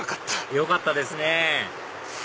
よかったですね